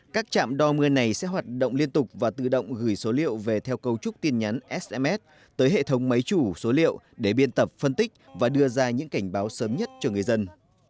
các trạm đo mưa này sẽ hoạt động liên tục và tự động gửi số liệu về theo cấu trúc tin nhắn sms tới hệ thống máy chủ số liệu để biên tập phân tích và đưa ra những cảnh báo sớm nhất cho người dân